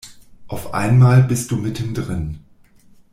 Auf einmal bist du mittendrin.